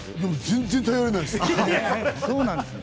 全然頼れないです。